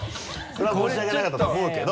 それは申し訳なかったと思うけど。